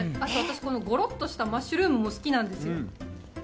ゴロっとしたマッシュルームも好きなんです。